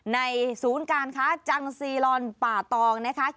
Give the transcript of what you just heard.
ศูนย์การค้าจังซีลอนป่าตองนะคะ